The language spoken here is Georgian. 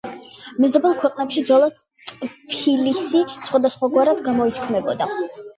მეზობელ ქვეყნებში ძველად ტფილისი სხვადასხვაგვარად გამოითქმოდა.